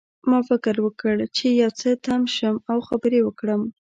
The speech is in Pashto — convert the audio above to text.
ما فکر وکړ چې یو څه تم شم او خبرې وکړم